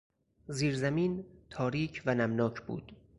زیرزمین تاریک و نمناک بود.